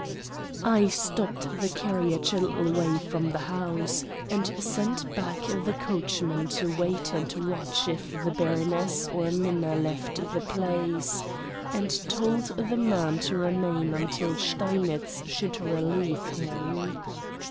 I stopped the carriage a little way from the house, and sent back the coachman to wait and watch if the baroness or Minna left the place, and told the man to remain until Steinitz should relieve him.